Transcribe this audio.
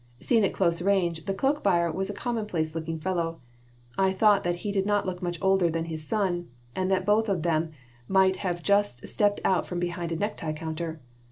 Seen at close range, the cloak buyer was a commonplace looking fellow. I thought that he did not look much older than his son, and that both of them might have just stepped out from behind a necktie counter.